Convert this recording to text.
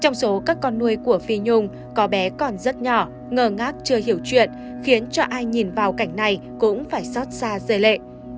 trong số các con nuôi của phi nhung có bé còn rất nhỏ ngờ ngác chưa hiểu chuyện khiến cho ai nhìn vào cảnh này cũng phải xót xa rời lệ